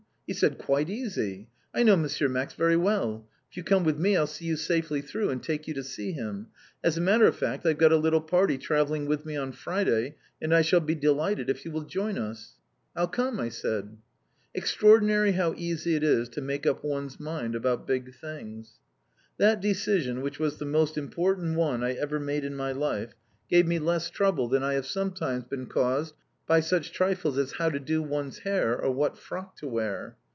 He said, "Quite easy! I know M. Max very well. If you come with me, I'll see you safely through, and take you to see him. As a matter of fact I've got a little party travelling with me on Friday, and I shall be delighted if you will join us." "I'll come," I said. Extraordinary how easy it is to make up one's mind about big things. That decision, which was the most important one I ever made in my life, gave me less trouble than I have sometimes been caused by such trifles as how to do one's hair or what frock to wear.